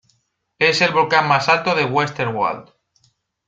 Es el volcán más alto de Westerwald.